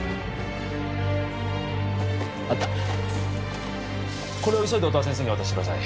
あったこれを急いで音羽先生に渡してください